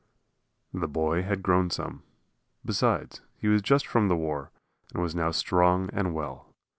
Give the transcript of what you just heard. The boy had grown some; besides, he was just from the war and was now strong and well.